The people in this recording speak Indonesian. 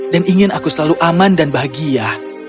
dan ingin aku selalu aman dan bahagia